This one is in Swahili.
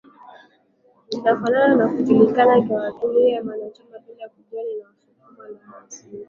zinafana na zinajulikana kwa wanajumuiya au wanachama bila kujali ni wasukuma wa MwanzaSimiyu